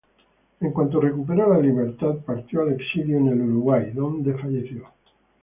En cuanto recuperó la libertad partió al exilio en el Uruguay, donde falleció.